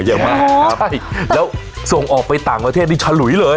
ใช่แล้วส่งออกไปต่างประเทศนี่ชะหรุยเลย